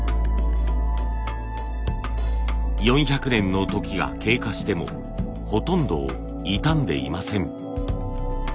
４００年の時が経過してもほとんど傷んでいません。